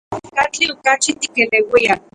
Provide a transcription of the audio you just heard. ¿Katli okachi tikeleuia?